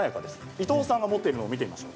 伊藤さんが持っているのを見てみましょう。